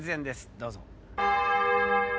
どうぞ。